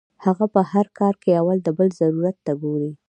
هغه پۀ هر کار کې اول د بل ضرورت ته ګوري -